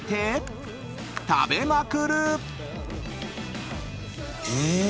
［食べまくる！］